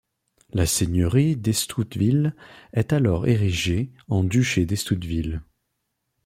La seigneurie d'Estouteville est alors érigée en duché d'Estouteville.